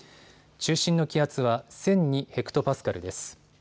中心の気圧は１００２ｈＰａです。